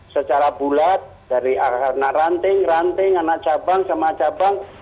secara bulat dari anak ranting ranting anak cabang sama cabang